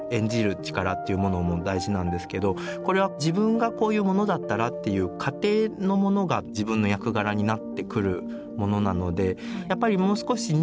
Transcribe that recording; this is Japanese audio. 力っていうものも大事なんですけどこれは自分がこういうものだったらっていう仮定のものが自分の役柄になってくるものなのでやっぱりもう少しニュートラルな